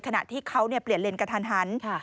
ขณะที่เขาเปลี่ยนเลนกระทันหัน